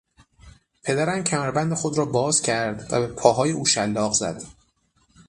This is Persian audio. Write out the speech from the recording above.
پدرم کمربند خود را باز کرد و به پاهای او شلاق زد.